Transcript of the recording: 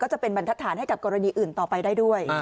จะเป็นบรรทัศนให้กับกรณีอื่นต่อไปได้ด้วย